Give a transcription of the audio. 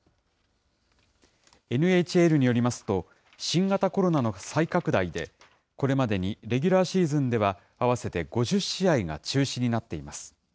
ＮＨＬによりますと、新型コロナの再拡大で、これまでにレギュラーシーズンでは、合わせて５０試合が中止になっています。